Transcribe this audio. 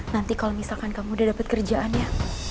nanti kalau misalkan kamu udah dapet kerjaan ya